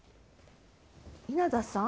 稲田さん？